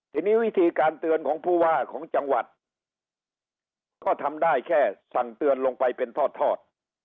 ทีนี้วิธีการเตือนของผู้ว่าของจังหวัดก็ทำได้แค่สั่งเตือนลงไปเป็นทอด